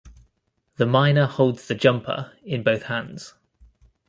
The miner holds the jumper in both hands.